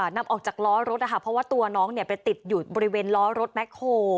นำออกจากล้อรถนะคะเพราะว่าตัวน้องไปติดอยู่บริเวณล้อรถแบ็คโฮ